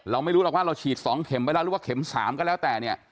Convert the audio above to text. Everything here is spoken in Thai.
เราไม่รู้หรอกว่าเราฉีด๒เข็มไปแล้วหรือว่าเข็ม๓ก็แล้วแต่เนี่ย